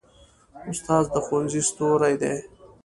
استاد د ښوونځي ستوری دی.